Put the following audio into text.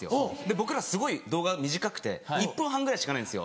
僕らすごい動画短くて１分半ぐらいしかないんですよ。